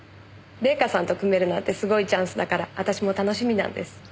礼夏さんと組めるなんてすごいチャンスだから私も楽しみなんです。